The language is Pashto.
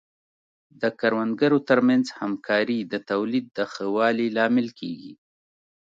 د کروندګرو ترمنځ همکاري د تولید د ښه والي لامل کیږي.